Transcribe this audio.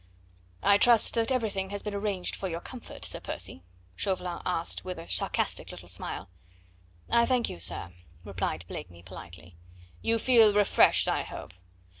"I trust that everything has been arranged for your comfort, Sir Percy?" Chauvelin asked with a sarcastic little smile. "I thank you, sir," replied Blakeney politely. "You feel refreshed, I hope?"